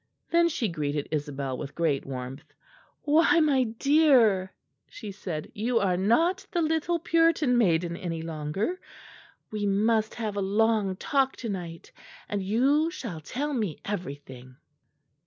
Then she greeted Isabel with great warmth. "Why, my dear," she said, "you are not the little Puritan maiden any longer. We must have a long talk to night; and you shall tell me everything."